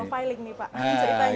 profiling nih pak cerita ini